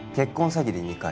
詐欺で２回